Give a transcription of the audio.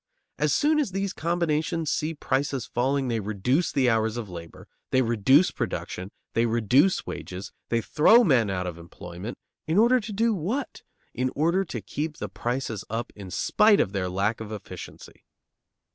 As soon as these combinations see prices falling they reduce the hours of labor, they reduce production, they reduce wages, they throw men out of employment, in order to do what? In order to keep the prices up in spite of their lack of efficiency.